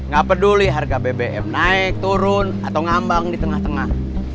gak peduli harga bbm naik turun atau ngambang di tengah tengah